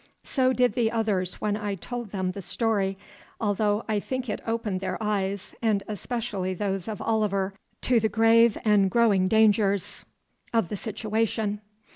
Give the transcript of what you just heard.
So did the others when I told them the story, although I think it opened their eyes, and especially those of Oliver, to the grave and growing dangers of the situation.